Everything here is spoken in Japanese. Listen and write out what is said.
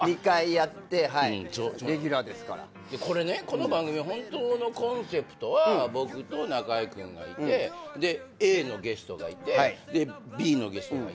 でこれねこの番組本当のコンセプトは僕と中居君がいてＡのゲストがいてＢのゲストがいて。